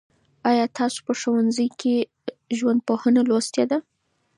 آیا تاسو په ښوونځي کي ژوندپوهنه لوستې ده؟